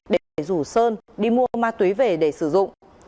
để rủ sơn đi mua ma túy về để sử dụng